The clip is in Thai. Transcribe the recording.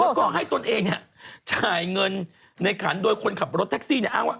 แล้วก็ให้ตนเองเนี่ยจ่ายเงินในขันโดยคนขับรถแท็กซี่เนี่ยอ้างว่า